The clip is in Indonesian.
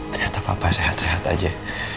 ternyata papa sehat sehat aja